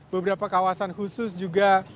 beberapa kawasan khusus juga